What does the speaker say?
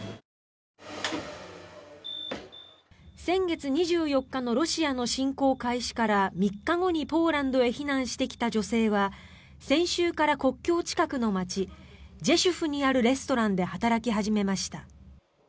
先月２４日のロシアの侵攻開始から３日後にポーランドへ避難してきた女性は先週から国境近くの街ジェシュフにあるレストランで働き始めました。